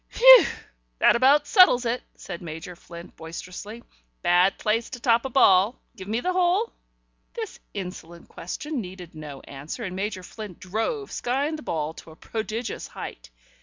"Phew! That about settles it," said Major Flint boisterously. "Bad place to top a ball! Give me the hole?" This insolent question needed no answer, and Major Flint drove, skying the ball to a prodigious height.